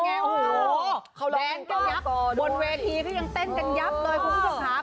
แปดแก้งกันยับบนเวทีเขายังเต้นกันยับเลยคุณผู้ชมครับ